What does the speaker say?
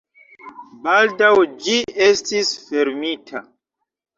Baldaŭ ĝi estis fermita.